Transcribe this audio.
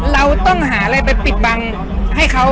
เราต้องหาอะไรไปปิดบังให้เขา